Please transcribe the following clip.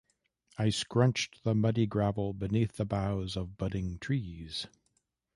I scrunched the muddy gravel beneath the boughs of budding trees.